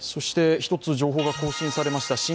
１つ情報が更新されました。